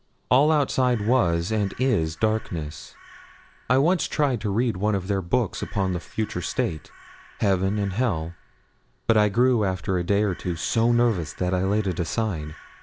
All outside was and is darkness. I once tried to read one of their books upon the future state heaven and hell; but I grew after a day or two so nervous that I laid it aside.